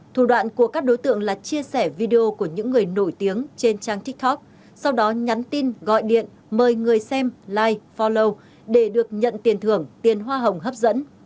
thủ đoạn của các đối tượng là chia sẻ video của những người nổi tiếng trên trang tiktok sau đó nhắn tin gọi điện mời người xem live folo để được nhận tiền thưởng tiền hoa hồng hấp dẫn